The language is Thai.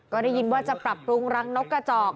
ก็ได้ยินว่าจะปรับปรุงรังนกกระจอก